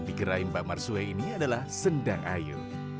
di gerai mbak marsue ini adalah sendang ayu